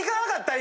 今。